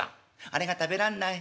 あれが食べらんない